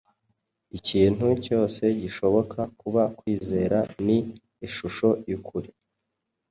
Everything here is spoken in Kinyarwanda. Ikintu cyose gishoboka kuba kwizera ni ishusho yukuri.